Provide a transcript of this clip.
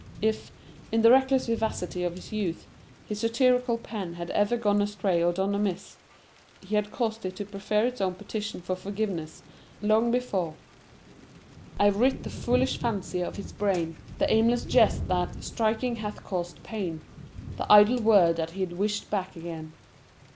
If, in the reckless vivacity of his youth, his satirical pen had ever gone astray or done amiss, he had caused it to prefer its own petition for forgiveness, long before:— I've writ the foolish fancy of his brain; The aimless jest that, striking, hath caused pain; The idle word that he'd wish back again.